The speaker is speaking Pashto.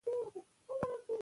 نظم ماشوم ته مهارتونه ښيي.